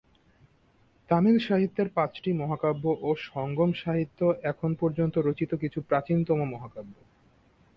তামিল সাহিত্যের পাঁচটি মহাকাব্য ও সঙ্গম সাহিত্য এখন পর্যন্ত রচিত কিছু প্রাচীনতম মহাকাব্য।